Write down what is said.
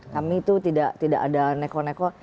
kami itu tidak ada neko neko